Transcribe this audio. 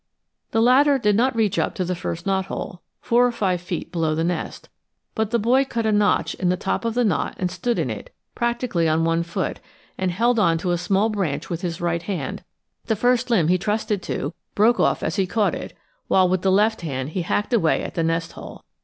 The ladder did not reach up to the first knothole, four or five feet below the nest; but the boy cut a notch in the top of the knot and stood in it, practically on one foot, and held on to a small branch with his right hand the first limb he trusted to broke off as he caught it while with the left hand he hacked away at the nest hole.